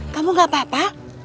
kamu gak apa apa